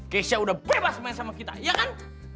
keisha udah bebas main sama kita ya kan